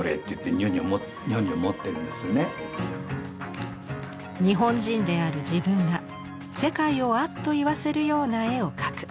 だから日本人である自分が世界をアッと言わせるような絵を描く。